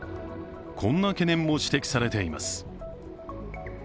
こんな懸念も指摘されています。